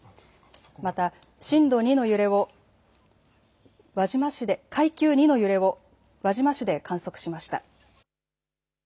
また階級２の揺れを輪島市で観測しました。